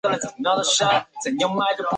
修智心净。